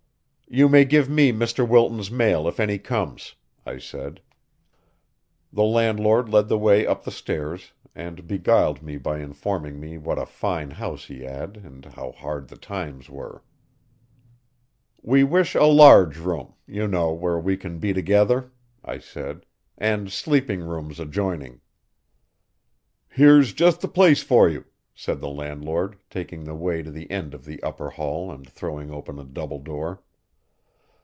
"You may give me Mr. Wilton's mail if any comes," I said. The landlord led the way up the stairs, and beguiled me by informing me what a fine house he had and how hard the times were. "We wish a large room, you know, where we can be together," I said, "and sleeping rooms adjoining." "Here's just the place for you," said the landlord, taking the way to the end of the upper hall and throwing open a double door.